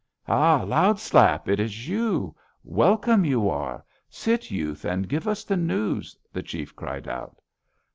"'Ha! Loud Slap! It is you! Welcome you are! Sit youth and give us the news!' the chief cried out.